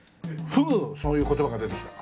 ふぐそういう言葉が出てきた。